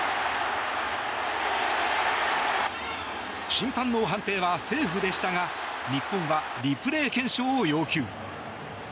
審判の判定はセーフでしたが日本はリプレイ検証を要求。